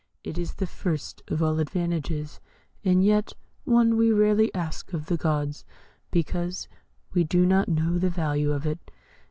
It is the first of all advantages, and yet one we rarely ask of the gods, because we do not know the value of it.